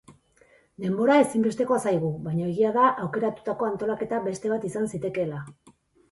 Denbora ezinbestekoa zaigu, baina egia da aukeratutako antolaketa beste bat izan zitekeela.